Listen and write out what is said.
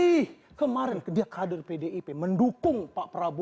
ih kemarin dia kader pdip mendukung pak prabowo